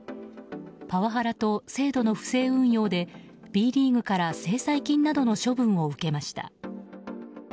パワハラと制度の不正運用でＢリーグから制裁金などの処分を受けました。